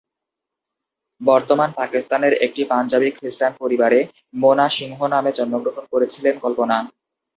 বর্তমান পাকিস্তানের একটি পাঞ্জাবি খ্রিস্টান পরিবারে মোনা সিংহ নামে জন্মগ্রহণ করেছিলেন কল্পনা।